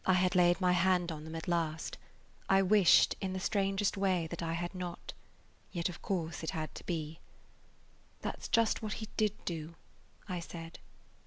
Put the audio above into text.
I had laid my hand on them at last. I wished, in the strangest way, that I had not. Yet of course it had to be. "That 's just what he did do," I said.